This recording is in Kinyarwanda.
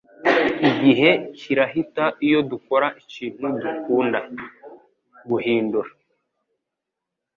Igihe kirahita iyo dukora ikintu dukunda. (guhindura)